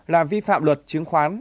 là vi phạm luật chứng khoán